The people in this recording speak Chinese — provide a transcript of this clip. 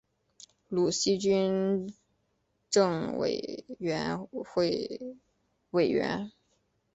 鲁西军政委员会委员。